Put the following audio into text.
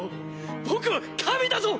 僕は神だぞ！